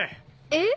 えっ？